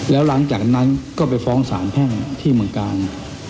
แล้วหลังจากนั้นก็ไปฟ้องสารแพ่งที่เมืองกาล